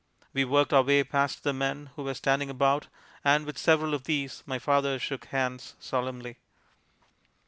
We worked our way past the men who were standing about, and with several of these my father shook hands solemnly.